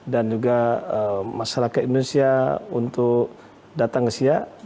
dan juga masyarakat indonesia untuk datang ke siak